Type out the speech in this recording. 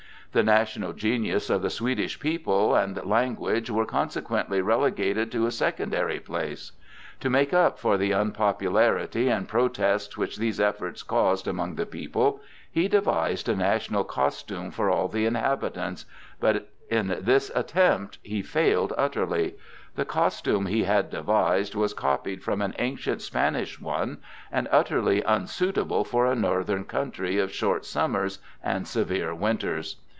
The national genius of the Swedish people and language were consequently relegated to a secondary place. To make up for the unpopularity and protests which these efforts caused among the people, he devised a national costume for all the inhabitants; but in this attempt he failed entirely. The costume he had devised was copied from an ancient Spanish one, and utterly unsuitable for a northern country of short summers and severe winters.